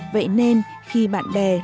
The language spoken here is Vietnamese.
vậy nên khi bạn bè nữ khách ghé chơi